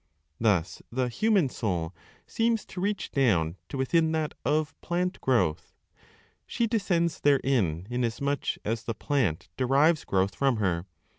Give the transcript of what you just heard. Thus the human soul seems to reach down to within that of (plant) growth. She descends therein inasmuch as the plant derives growth from her.